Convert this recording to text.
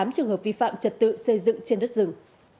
một mươi tám trường hợp vi phạm trật tự xây dựng trên đất rừng